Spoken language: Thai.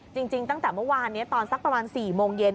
จริงตั้งแต่เมื่อวานนี้ตอนสักประมาณ๔โมงเย็น